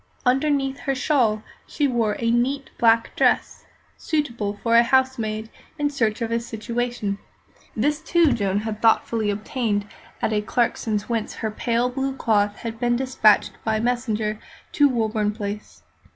Underneath her shawl she wore a neat black dress, suitable for a housemaid in search of a situation. This, too, Joan had thoughtfully obtained at Clarkson's, whence her pale blue cloth had been despatched by messenger to Woburn Place.